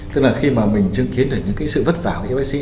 tức là khi mà mình chứng kiến được những sự vất vả của yêu ích sĩ